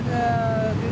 mình không sử dụng